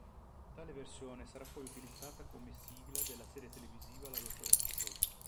Tale versione sarà poi utilizzata come sigla della serie televisiva La dottoressa Giò.